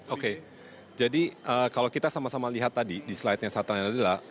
oke jadi kalau kita sama sama lihat tadi di slide nya sattanya adalah